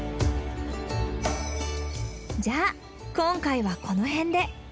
じゃあ今回はこの辺で。